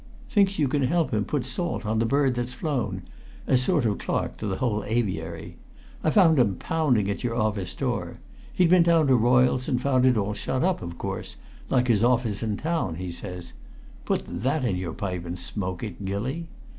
"Thinks you can help him put salt on the bird that's flown, as sort of clerk to the whole aviary! I found him pounding at your office door. He'd been down to Royle's and found it all shut up, of course like his office in town, he says! Put that in your pipe and smoke it, Gilly!